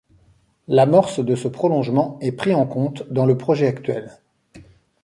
L'amorce de ce prolongement est pris en compte dans le projet actuel.